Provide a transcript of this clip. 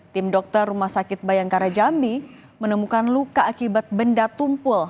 tim dokter rumah sakit bayangkara jambi menemukan luka akibat benda tumpul